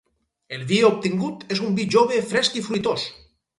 El vi obtingut és un vi jove fresc i fruitós.